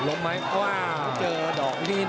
ล้มไหมว้าวเจอดอกนี้นะ